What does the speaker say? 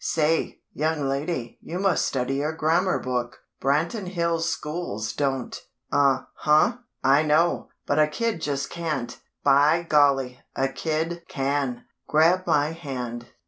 Say, young lady, you must study your grammar book. Branton Hills schools don't " "Uh huh; I know. But a kid just can't " "By golly! A kid can! Grab my hand."